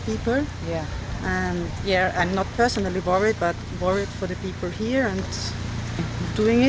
saya tidak khawatir secara pribadi tapi khawatir untuk orang orang di sini